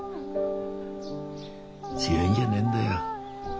強いんじゃねえんだよ。